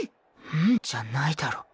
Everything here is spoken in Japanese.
「うん」じゃないだろ